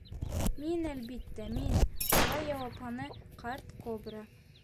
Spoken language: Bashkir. — Мин, әлбиттә, мин, — шулай яуапланы ҡарт кобра.